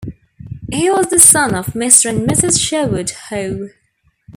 He was the son of Mr. and Mrs. Sherwood Hough.